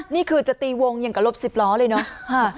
นี่คือจะตีวงอย่างกับรถสิบล้อเลยเนาะ